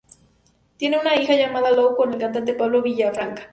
Tiene una hija llamada Lou con el cantante Pablo Villafranca.